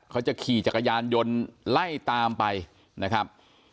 เขาจะขี่จักรยานยนต์ไล่ตามไปนะครับ